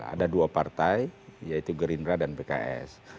ada dua partai yaitu gerindra dan pks